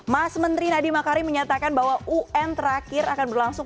mas menteri nadiem makarim menyatakan bahwa un terakhir akan berlangsung